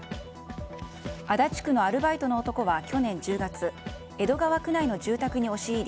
足立区のアルバイトの男は去年１０月江戸川区内の住宅に押し入り